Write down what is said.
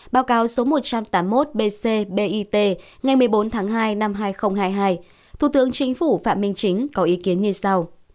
báo cáo số một trăm tám mươi một bc bit ngày một mươi bốn tháng hai năm hai nghìn hai mươi hai thủ tướng chính phủ phạm minh chính có ý kiến như sau